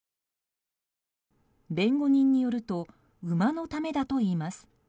弁護人によると馬のためだといいます。